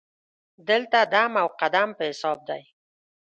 دلته دم او قدم په حساب دی.